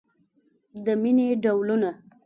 د مینې ډولونه